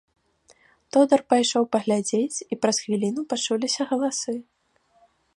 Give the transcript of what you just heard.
Тодар пайшоў паглядзець, і праз хвіліну пачуліся галасы.